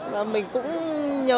và mình cũng không biết